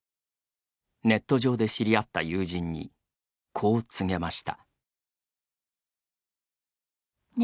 ネット上で知り合った友人にこう告げました。